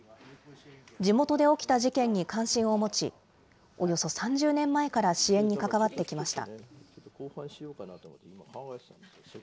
地元で起きた事件に関心を持ち、およそ３０年前から支援に関わってきました。